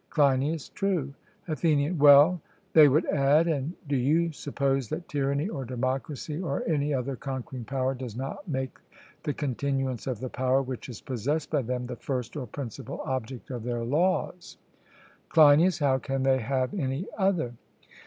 CLEINIAS: True. ATHENIAN: 'Well,' they would add, 'and do you suppose that tyranny or democracy, or any other conquering power, does not make the continuance of the power which is possessed by them the first or principal object of their laws'? CLEINIAS: How can they have any other?